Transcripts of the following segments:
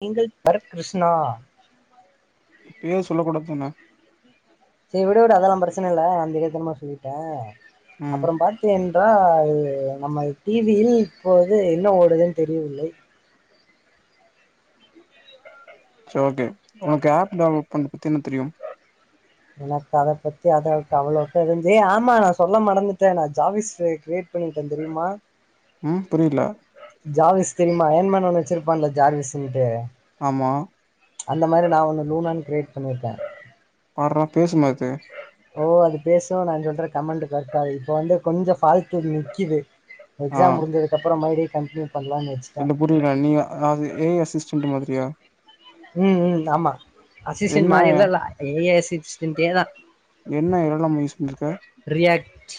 நீங்கள் தரக் கிஷ்ணா பேர் சொல்லக் கூடாத்தானே சேரி விடு விடு அதெல்லா பிரச்சன இல்ல நா தெரியாதனமா சொல்லிட்டே. ம் அப்றோ பாத்தே என்றாய் து நமது டி வி யில் இப்போது என்ன ஓடுதுன்னு தெரியவில்லை ச ஓகே உனக்கு ஆப் டவுன்லோட் பண்றத பத்தி என்ன தெரியும் எனக்கு அத பத்தி அந்தளவுக் அவ்வளவுக்கு எது ஏ ஆமா நா சொல்ல மறந்துட்டே நா ஜாபிஸ் கிரியேட் பண்ணிட்டே தெரியுமா உம் புரியல ஜாவிஸ் தெரியுமா அயன் மேன் ஒன்னு வச்சிருப்பான்ல ஜாவிஸ்ன்ட்டு ஆமா அந்த மாரி நா ஒன்னு லூனான் கிரியேட் பண்ணியிருக்க பார்றா பேசுமா இது ஓ அது பேசு நா சொல்ற கமெண்ட் க்கது இப்ப வந்து கொஞ்சொ ஃபால்ட்ல நிக்குது ஆ எக்ஸாம் முடிஞ்சதுக்குப்புற மறுடி கம்ப்ளீட் இல்ல புரியல நீ அது ஏ ஐ அசிஸ்டன்ட் மாதிரியா உம் உம் ஆமா அசிஸ்டன் என்ன மாறியல்ல ல்ல ஏ எஸ் ஸ்பின்தேதா என்ன எல் எல் எம் யூஸ் பண்ணிருக்க ரியாக்ட்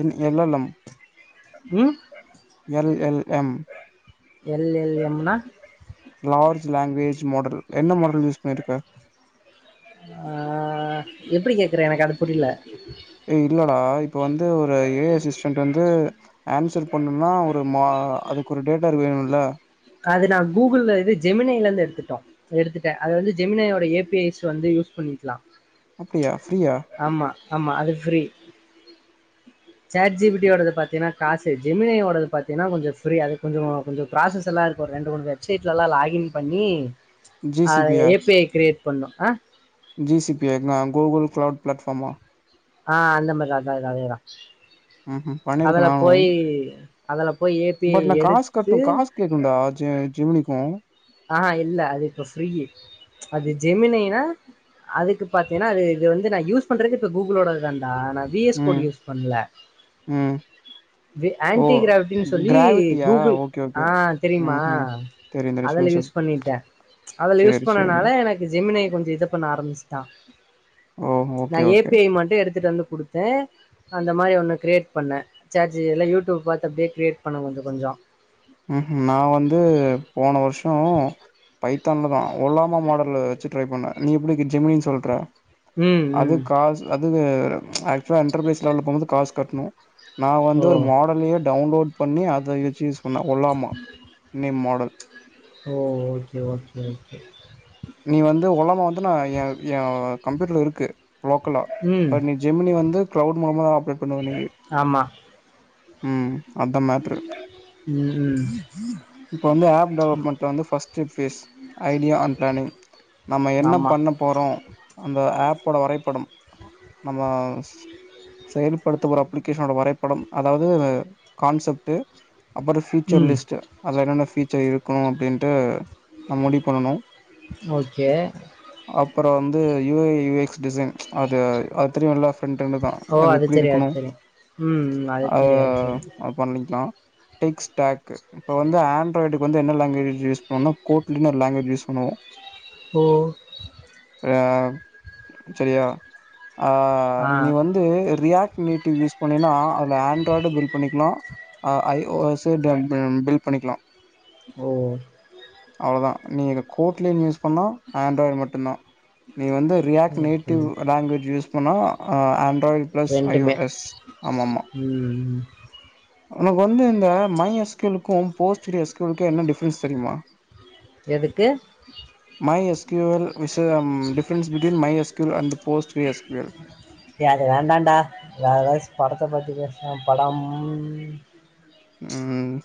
என் எல் லல்லம் ம் L L M L L M னா லார்ஜ் லாங்குவேஜ் மாடல் என்ன மாடல் யூஸ் பண்ணிட்ருக்க ஆஹ் எப்படி கேக்குற எனக்கு அது புரில ஏ இல்லடா இப்ப வந்து ஒரு ஏ அசிஸ்டன்ட் வந்து ஆன்சர் பண்ணனுனா ஒரு மா அதுக்கு ஒரு டேட்டரு வேணுல்ல அது நா கூகுள இது ஜெமினிலேந்து எடுத்துட்டோ எடுத்துட்ட அத வந்து ஜெமினிஐயோட ஏ பி ஐஸ் வந்து யூஸ் பண்ணிக்லா அப்டியா ஃப்ரீயா ஆமா ஆமா அது free chat G P T யோடது பாத்தீனா காசு ஜெமினை யோடது பாத்தீன்னா கொஞ்ச ஃப்ரி அது கொஞ்சொ கொஞ்சொ ப்ராசஸ் ல்லா இருக்கு ரெண்டு மூணு வெப்சைட்ல லா லாகின் பண்ணி ஜி சி அது யா எ பி ஐ கிரியேட் பண்ணோ அ ஜி சி பி ஐ னா கூகுள் க்ளவுட் பிளாட்ஃபாம்மா ஆஹ் அந்த மாரி அத அதேதா ம்ஹூம் பண்ணிருக்கே அதுல நானு போய் அதுல போய் ஏப்பி ஐ பட் நா காசு எடுத்து ம் ஆஹ் இல்ல அது இப்ப ஃபிரீ அது ஜெமினினா அதுக்கு பாத்தீன்னா அது இது வந்து நா யூஸ் பண்றது இப்ப கூகுளோடதா நானா வி எஸ் ம் கோட் யூஸ் பண்ல ம் ஓ ஆண்டிகிராபினு சொல்லி கிராவிட்டியா கூகுள் ஓகே ஓகே ஆஹ் தெரியுமா ம்ஹூம் தெரியு தெரியு ஃபயில் சொல்லு சொல்லு யூஸ் பண்ணிட்டே அதுல யூஸ் சேரி சேரி பண்ணனால எனக்கு ஜி ஜெமினியை கொஞ்ச ரிஜெக்ட் பண்ண ஆரம்மிச்ட்டா ஓ நா okay A okay P I மட்டு எடுத்துட்டு வந்து குடுத்து அந்த மாரி ஒன்னு க்ரியேட் பண்ணே சாட் ஜி பி ல்ல யூட்யூப் பாத்து அப்டே க்ரியேட் பண்ண கொஞ்ச கொஞ்ச உம் ஹிம் நா வந்து போன வர்ஷ் ஆஹ் பைத்தான்லதா ஒல்லாமா மாடல்ல வச்சு ட்ரை பண்ணே நீ எப்டி இது ஜெமினின் சொல்ற ம் அது ம் காஸ் அதுவு ஆக்சுலா எண்டர்பிரைஸ் லேவல்ல போனது காசு கட்ணு நா வந்து ஒரு ஓ மாடலே டவுன்லோட் பண்ணி அத வச்சு யூஸ் ஒன்னா ஒல்லாமா ஒன் எ மாடல் [inaudible] ஓ ஓகே ஓகே ஓகே நீ வந்து ஒலமா வந்து நா எ எ கம்ப்யூட்ருல இருக்கு லோக்கலா ம் இப்ப நீ ஜெமினி வந்து க்ளவுட் மாமா ஆப் எப்புட்னா நீ உம் உம் உம் இப்ப வந்து ஆப் டெவலப்மெண்ட்ல வந்து first phase idea and planning நம்ம என்ன ஆமா பண்ண போறோ இந்த ஆப்போட வரைபடம் நம்ம செயல்படுத்தப்போற அப்பிளிகேஷனோட வரைபடம் அதாவ்து கான்செப்ட்டு அப்பற ம் ஃபியூச்சர்லிஸ்ட்டு அதில என்னென்ன ஃபீச்சர் இருக்கு அப்டின்ட்டு நம்ம முடிவு பண்ணணு ஓகே அப்ற வந்து U A U X design அது அது தெரியுல ஃப்ரெண்டென்டுதா ஓ அது எப்டி தெரியு இருக்கணு அது தெரியு ம் ம் அது அத தெரியு அது தெரியு அது பண்ணிக்லா டிக்ஸ்டேக்கு இப்ப வந்து ஆண்ராய்டுக்கு வந்து என்ன லாங்குவேஜ் யூஸ் பண்ணா கோட்ல இன்னொரு லாங்குவேஜ் யூஸ் பண்ணுவ ஓ அஹ் செரியா ஆ ஆ நீ வந்து ரியாக் நீட்டு யூஸ் பண்ணினா அதுல ஆண்ட்ராய்டு பில் பண்ணிக்கலாம் ஐ ஓஎஸ்சு [unintelligible] பில் பண்ணிக்கலாம் ஓஓ அவ்வளவுதான் நீ அங்க கோட்லியே நியூஸ் பண்ணா ஆண்ட்ராய்டு மட்டும் தான் நீ வந்து ஓகே ஓகே ரியாக்னேடிவ் லாங்குவேஜ் யூஸ் பண்ணா ஆண்ட்ராய்டு பிளஸ் ஐ ரெண்டுமே ஒஸ் ஆமா மா ம் ம் உனக்கு வந்து இந்த மை ஏஸ் க்கும் போஸ்டஸ்கக்கும் என்ன டிஃபரென்ஸ் தெரியுமா [unintelligible] எதுக்கு மை எஸ் கியூ எல் விஷயம் difference between My S Q L and Postgres S Q L ஏ அது வேண்டான்டா வேற ஏதாச்சு படத்த பத்தி பேசுனா படம் ம்ம்ம்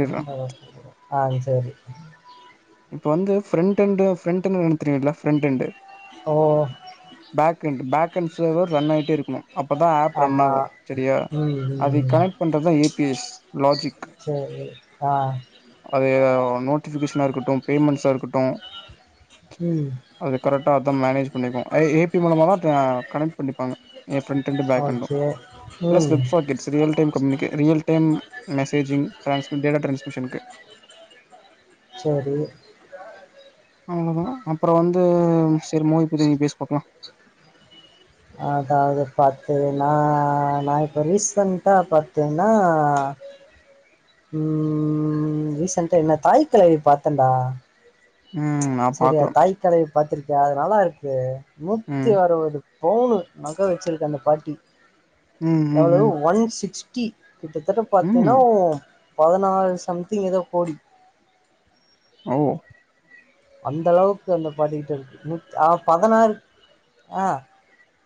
ரொம்ப யோசிச்சுட்டு இருக்கற ஆஹ் சரி இப்ப வந்து ஃபிரெண்டெண்டு ஃபிரெண்ட்னு தெரியூம்ல ஃபிரெண்டெண்டு ஓ back end back end server run ஆகிட்டே இருக்கணும் அப்பதான் ஆப் ரன் ஆமா ஆகும் சரியா ம் ம் அதை ம் கனெக்ட் பண்றது ஏபிஎஸ் லாஜிக் சரி ஆ நோட்டிஃபிகேஷனா இருக்கட்டும் அப்பறம் பேமெண்ட்ஸா இருக்கட்டும் ம் அது கரெக்டா அதே மேனேஜ் பண்ணிக்கும் அ ஏ பி மூலமா தான் கனெக்ட் பண்ணிப்பாங்க ஃபிரெண்டெண்டு ம் பேக்எண்டும் ஓகே. ப்ளஸ் ம். Websocket time கம்யூனிகே real time messaging டிரான்ஸ்மி data டிரான்ஸ்மிஷனுக்கு சரி அப்புறம் வந்து சரி மூவிப்பத்தி நீ பேசு பாக்கலாம் அதாவது பாத்தேனா நான் இப்ப ரீசன்டா பாத்தேன்னா ம் ரீசன்டா என்ன தாய் கிழவி பாத்தேன்டா ம் நா சரியா பாக்கல தாய்க் கிழவி பார்த்துருக்கேன் அது நல்லா இருக்கு ம் முக்த்தி வருவது மூணு நகை வச்சிருக்கு அந்த பாட்டி ம் எவ்வளவு ம் ஒன் சிக்ஸ் கி கிட்டத்தட்ட ம் பாத்தீன்னா ம் பதினாறு சம்திங் ஏதோ கோடி ஓ அந்த அளவுக்கு அந்த பாட்டிக்கிட்ட இருக்கு பதினாறு ஆஹ்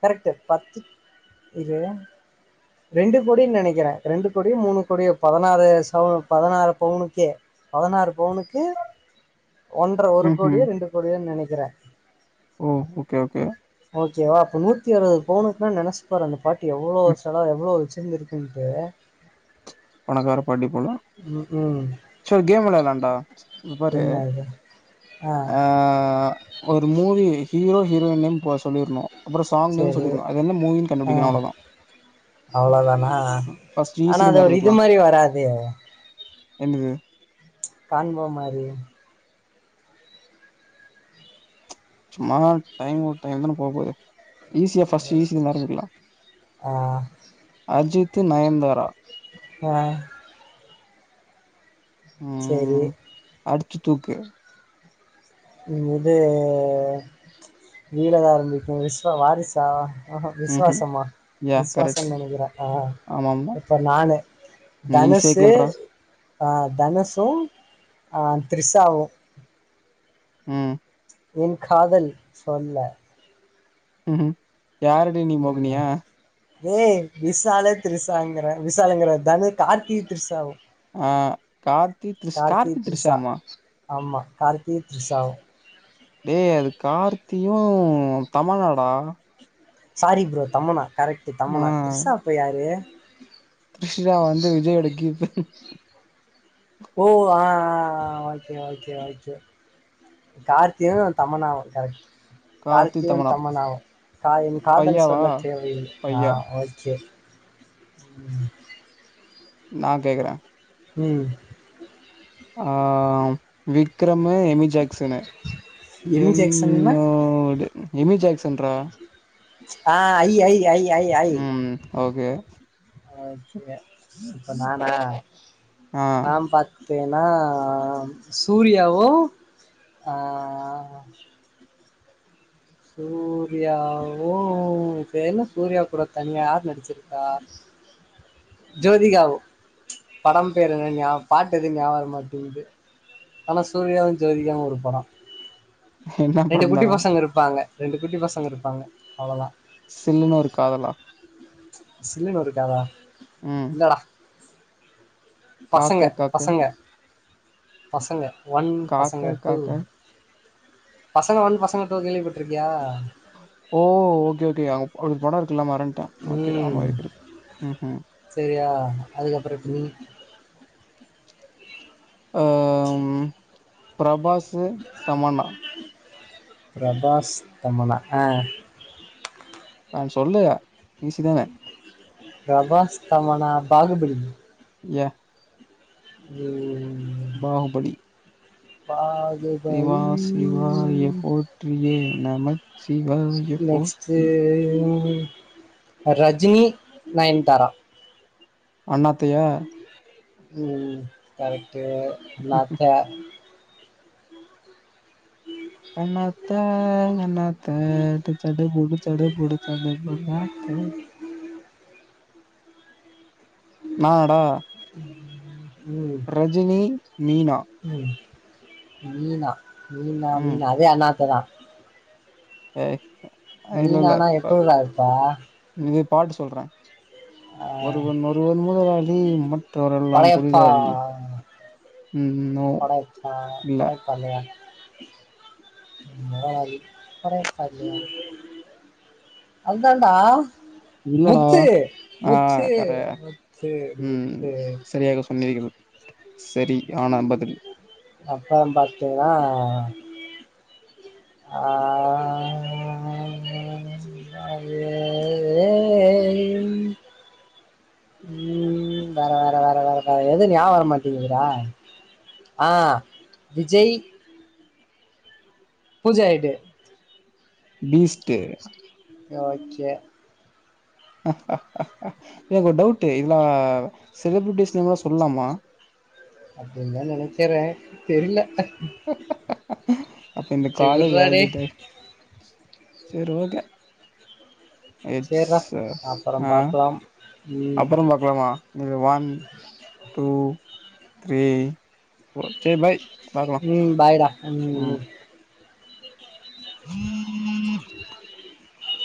கரெக்ட் பத்து இரு ரெண்டு கோடி நினைக்கிறேன் ரெண்டு கோடி மூணு கோடியோ பதினாறு சவரன் பதினாறு பவுனுக்கு பதினாறு பவுனுக்கு ஒன்ரை ஒரு கோடியோ ம்ஹும் ரெண்டு கோடியோ நினைக்க கிற ஓ ஓகே ஓகே ஓகேவா அப்ப நூத்தி அறுவது பவுனுக்குன்னா நினைசுப்பாரு அந்த பாட்டி எவ்ளோ ம் செலவு எவ்ளோ வச்சு இருந்திருக்குன்ட்டு உனக்கு வேற பார்டி போல ம் செரி கேம் வெளையாடாலாண்டா இப்ப பாரு என்ன இது ஆ ஆஹ் ஒரு மூவி ஹீரோ ஹீரோயின் நேம் போ சொல்லிரனு அப்புறொ சாங் நேம் சேரி சொல்லிரனும் அது என்ன மூவின்னு ஆ கண்டுபிடிக்கனு அவ்ளதா அவ்ளோதானா ஃபர்ஸ்ட் ஈஸி ஆனா அது லருந்து ஒரு ஆரம்பிக் இது மாரி வராதே என்னது கான்போ மாரி சும்மா டைம் ஒரு டைம் தான போக போது ஈஸியா ஃபர்ஸ்ட் ஈஸிலிருந்து ஆரம்பிக்கலா ஆ அஜித் த்து நயந்தாரா ஆ சேரி ம் அடிச்சு தூக்கு உம் இது வீலதா ஆரம்பிக்கு விஸ்வ வாரிசா ஆஹ ம்ஹும் விசுவாசமா யா கரெக்ட் விசுவாசன்னு நெனைக்கிறே ஆ ஆமாமா இப்போ நானு நீ ஈஸியா தனுசு கேள்றா. தனுசு த்ரிசாவு உம் என் காதல் சொல்ல ம்ஹும் யாரடி நீ என்ன மோகினியா ஏய் விசால திரிசாங்கற விசாலங்கிற தனு கார்த்தியு த்ரிசாவு ஆஹ் கார்த்தி த்ரிஷ் கார்த்தி த்ரிஷா த்ரிஷாமா ஆமா கார்த்தி த்ரிசாவு டே அது கார்த்தியு தமனாடா சாரி ப்ரோ தமன்னா கரெக்டு ஆ தம்மனா திரிசா அப்போ யாரு த்ரிஷா வந்து விஜயோட கீப்பு ஓ ஆஹ் ஆ ஆ ஓகே ஓகே ஓகே கார்த்தியு தமனாவு கரெக்ட் கார்த்தி, கார்தியு தமன்னா. தமனாவு கா என் காதல் பையாவா? சொல்ல தேவையில்லை பையா. ஆஹ் ஓகே உம் நா கேக்கற உம் ஆஹ் விக்ரமு எமி ஜாக்சனு எமி ஜாக்சன்னா என்னோடு எமி ஜாக்சன்ரா ஆ ஐ ஐ ஐ ஐ ஐ உம் ஓகே ஓகே இப்ப நானா ஆ நா பாத் திங்கன்னா சூர்யாவு ஆ சூர்யாவு இப்ப என்ன சூர்யா கூட தனியா யார் நடிச்சுருக்கா ஜோதிகாவு படம் பேரு ஞா பாட்டு எது ஞாவரமாட்டிங்கிது ஆனா சூர்யாவு ஜோதிகாவு ஒரு படொ என்னா‌ பண்ணா அங்க ரெண்டு குட்டி பசங்க இருப்பாங்க அவ்ளதா சில்லுன்னு ஒரு காதலா சில்லனு ஒரு காத உம் பசங்க பசங்க பசங்க ஒன் காக்க பசங்க டு காக்க. பசங்க ஒன் பசங்க டூ கேள்விப்பட்ருக்கியா ஓ ஓகே ஓகே அவ் அப்பி படொருக் க்குல்ல மறந்துட்டே ஓகே ஆமா ம் இருக்கிருக் ம்ஹும் அதுக்கப்ற இப்ப நீ ஆ ம் பிரபாசு தமன்னா ப்ரபாஸ் தமன்னா ஆ ஆ சொல்லு ஈசிதானே ப்ரபாஸ் தமன்னா பாகுபலி யா உம் பாகுபலி பா சிவா சிவாய போற்றியே நமச்சிவாய நெக்ஸ்ட்டு போற்றி ரஜினி நயன்தாரா அண்ணாத்தையா உம் கரெக்ட் டு Annaatthe Annaatthe அண்ணாத் the to சடு புடு சடு புடு சடு புடு அண்ணாத்த நாடா ம் ரஜினி மீனா ம் மீனா மீனா மீனா அதே அண்ணாத்ததா அ அ மீனானா எப்புர்ரா இர்ப்பா பாட் சொல்ற ஒருவன் ஒருவன் முதலாளி மற்றவரெல்லா படையப்பா தொழிலாளி ம் நோ படையப்பா இல்ல படையப்பா இல்லையா அதான்டா இது படையப்பா இல்லயா அதுதாண்டா இல்லடா அ கர முத்து ம் முத்து செரியாக சொன்னீகள் சரி யானா பதில் அப்பற பாத்தீங்னா ஆ [unintelligible] ம் வர வர வர வர வர எது ஞா வரமாட்டிங்கிது டா ஆ விஜய் பூஜா எட்டு பீஸ்ட் யோகே என்கொரு டவ்ட்டு இத்லா செலப்ரிட்டிஸ் நேம் லா சொல்லாமா அப்டின்தா நெனக்கறே தெரில அப்ப இந்த சேரி காலு விட்றா டேய் வேலிடே சேர் ஓகே இட்ஸ் சேர்றா அப்பறம் பாக்லாம் அப்பறம் பாக்லாமா நில்லு வன் டூ த்ரீ ஃபோ சேர் பாய் பாக்லா ம் பாய்டா ம் ம்